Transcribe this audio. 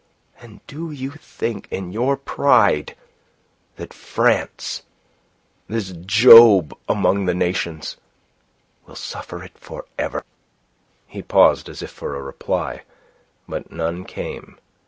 And do you think in your pride that France, this Job among the nations, will suffer it forever?" He paused as if for a reply. But none came.